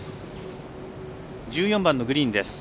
１４番のグリーンです。